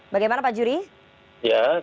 bagaimana pak jury